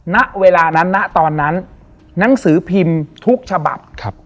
ณเวลานั้นณตอนนั้นหนังสือพิมพ์ทุกฉบับ